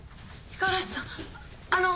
五十嵐さんあの。